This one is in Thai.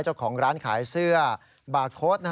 เจ้าของร้านขายเสื้อบาร์โค้ด